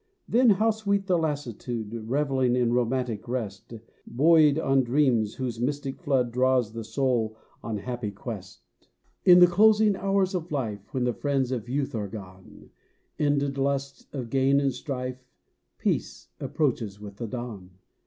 Then how sweet the lassitude, Revelling in romantic rest, Buoyed on dreams, whose mystic flood Draws the soul on happy quest. In the closing hours of life, When the friends of youth are gone, Ended lust of gain and strife, Peace approaches with the dawn.